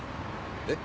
えっ？